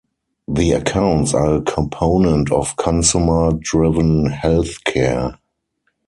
The accounts are a component of consumer-driven health care.